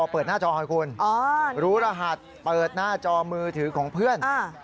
เปิดหน้าจอให้คุณรู้รหัสเปิดหน้าจอมือถือของเพื่อน